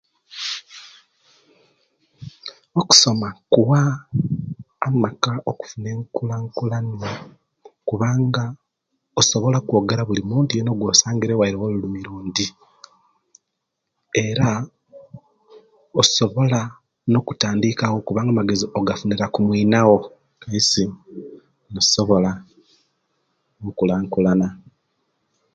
Okusoma kuwa amaka okufuna enkulakulana kubanga osobola okwogera buli muntu ogwo sangire waire wolulimi lundi era osobola nokutandika wo kubanga amagezi ogafunira kumwinawo Kaisi nosobala enkulakulana